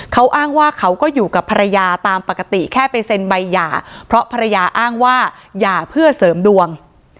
เขาอ้างว่าเขาก็อยู่กับภรรยาตามปกติแค่ไปเซ็นใบหย่าเพราะภรรยาอ้างว่าหย่าเพื่อเสริมดวง